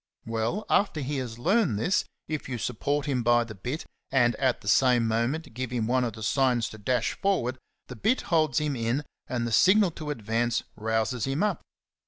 Well, after he has learned this, if you support him by the bit and at the same moment give him one of the signs to dash forward, the bit holds him in and the signal to advance rouses him up.